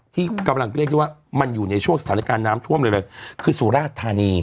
ที่กำลังเรียกได้ว่ามันอยู่ในช่วงสถานการณ์น้ำท่วมเลยเลยคือสุราชธานี